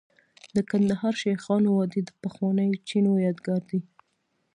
د کندهار شیخانو وادي د پخوانیو چینو یادګار دی